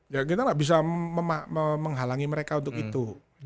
ya kita nggak bisa menghalangi mereka untuk itu